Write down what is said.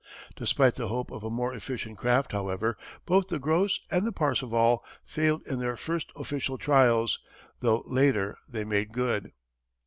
Despite the hope of a more efficient craft, however, both the Gross and the Parseval failed in their first official trials, though later they made good.